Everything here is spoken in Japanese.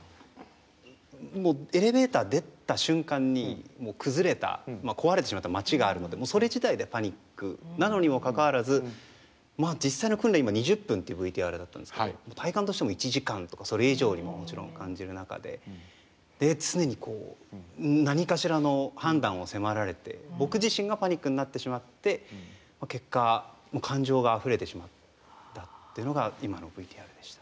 もうエレベーター出た瞬間に崩れた壊れてしまった街があるのでそれ自体でパニックなのにもかかわらず実際の訓練今２０分ってＶＴＲだったんですけど体感として１時間とかそれ以上にももちろん感じる中で常にこう何かしらの判断を迫られて僕自身がパニックになってしまって結果感情があふれてしまったっていうのが今のＶＴＲでした。